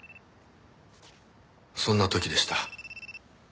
そんな時でした。